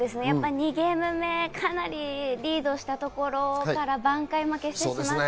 ２ゲーム目、かなりリードしたところから、挽回負けしてしまった。